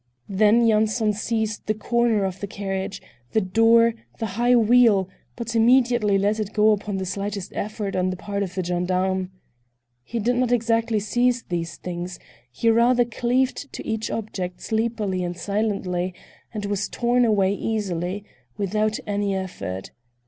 Then Yanson seized the corner of the carriage, the door, the high wheel, but immediately let it go upon the slightest effort on the part of the gendarme. He did not exactly seize these things; he rather cleaved to each object sleepily and silently, and was torn away easily, without any effort.